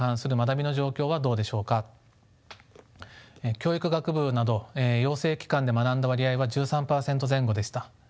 教育学部など養成機関で学んだ割合は１３％前後でした。